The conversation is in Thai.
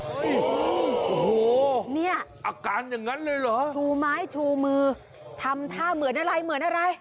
โอ้โหเนี่ยอาการอย่างนั้นเลยเหรอชูไม้ชูมือทำท่าเหมือนอะไรเหมือนอะไร